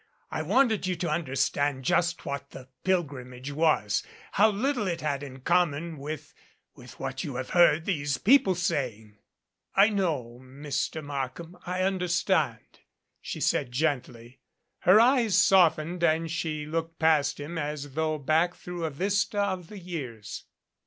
I wanted you to understand just what the pilgrimage was how little it had in common with with what you have heard these people saying." "I know, Mr. Markham. I understand," she said gently. Her eyes softened and she looked past him as though back through a vista of the years.